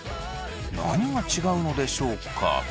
何が違うのでしょうか？